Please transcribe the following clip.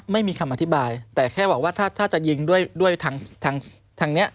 ไม่มีคำอธิบายแต่แค่บอกว่าถ้าจะยิงด้วยทางนี้